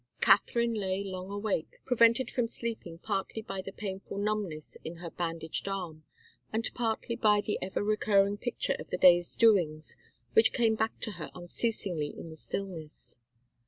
Katharine lay long awake, prevented from sleeping partly by the painful numbness in her bandaged arm, and partly by the ever recurring picture of the day's doings which came back to her unceasingly in the stillness.